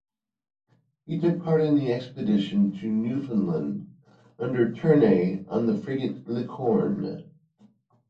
He took part in the expedition to Newfoundland under Ternay on the frigate "Licorne".